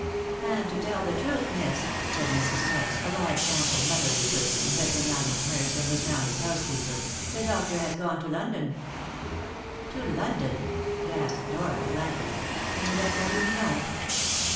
"And to tell the truth, miss," said Mrs. Tice, a large, ample, motherly person, who had been Allen's nurse and was now his housekeeper, "the doctor has gone to London." "To London?" gasped Dora blankly, "and without letting me know?"